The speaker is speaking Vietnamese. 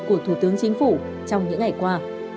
của thủ tướng chính phủ trong những ngày qua